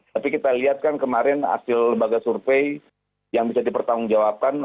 tapi kita lihat kan kemarin hasil lembaga survei yang bisa dipertanggungjawabkan